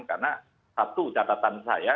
karena satu catatan saya